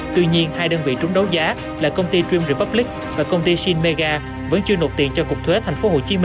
tuy nhiên hai đơn vị trúng đấu giá là công ty dream republic và công ty sinmega vẫn chưa nộp tiền cho cục thuế tp hcm